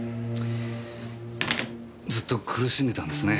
ずっと苦しんでたんですね。